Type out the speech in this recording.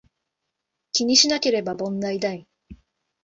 気にしなければ問題無い